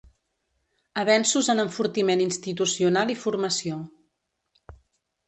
Avenços en enfortiment institucional i formació.